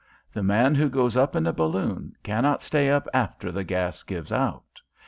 The man who goes up in a balloon cannot stay up after the gas gives out.